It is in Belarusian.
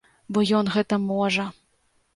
Бо ён гэта можа!